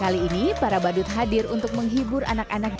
kali ini para badut hadir untuk menghibur anak anak